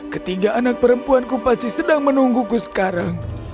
ketiga anak perempuanku pasti sedang menungguku sekarang